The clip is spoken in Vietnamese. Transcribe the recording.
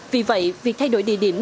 vì vậy việc thay đổi địa điểm